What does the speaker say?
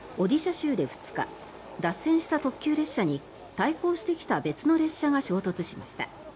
州で２日脱線した特急列車に対向してきた別の列車が衝突しました。